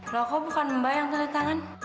loh kok bukan mbak yang tanda tangan